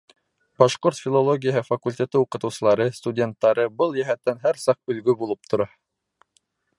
Башҡорт филологияһы факультеты уҡытыусылары, студенттары был йәһәттән һәр саҡ өлгө булып тора.